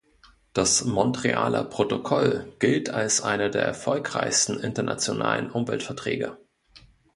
Das Montrealer Protokoll gilt als einer der erfolgreichsten internationalen Umweltverträge.